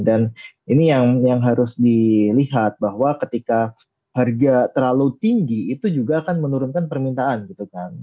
dan ini yang harus dilihat bahwa ketika harga terlalu tinggi itu juga akan menurunkan permintaan gitu kan